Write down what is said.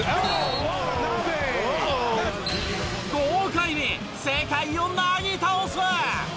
豪快に世界をなぎ倒す！